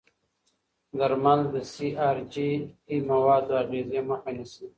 درمل د سی ار جي پي موادو اغېزې مخه نیسي.